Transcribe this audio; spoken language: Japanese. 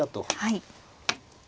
はい。